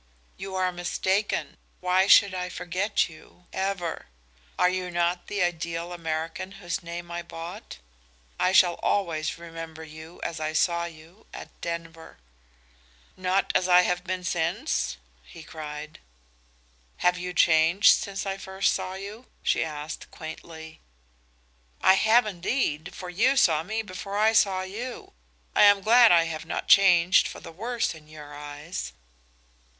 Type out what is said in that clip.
"You are mistaken. Why should I forget you ever? Are you not the ideal American whose name I bought? I shall always remember you as I saw you at Denver." "Not as I have been since?" he cried. "Have you changed since first I saw you?" she asked, quaintly. "I have, indeed, for you saw me before I saw you. I am glad I have not changed for the worse in your eyes."